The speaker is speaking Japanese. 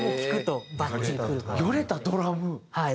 はい。